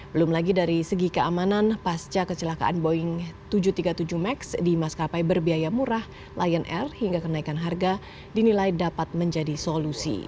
belum lagi dari segi keamanan pasca kecelakaan boeing tujuh ratus tiga puluh tujuh max di maskapai berbiaya murah lion air hingga kenaikan harga dinilai dapat menjadi solusi